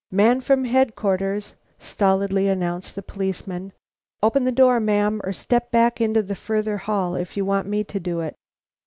"Man from Headquarters," stolidly announced the policeman. "Open the door, ma'am; or step back into the further hall if you want me to do it."